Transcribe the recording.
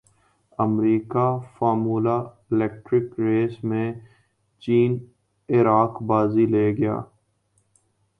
امریکہ formula electric race میں Jean Eric بازی لے گئے